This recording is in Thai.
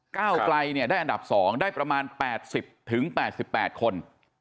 ก้าวไกลได้อันดับ๒ได้ประมาณ๘๐๘๘คน